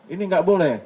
ini gak boleh